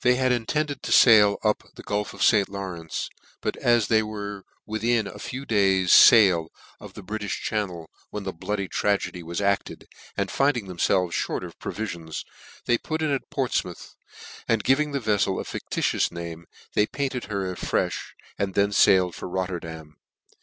351 The had intended to have failed up the gulph of St. Lawrence , but as they were within a few days fail of the Britilh channel when the bloody tragedy was acted, and finding themfelves fli .rt of provifions, they put into Portfmouth, and giving the vefiel a fictitious name, they painted her a frefh, and then failed for Rotterdam.